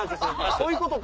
そういうことか！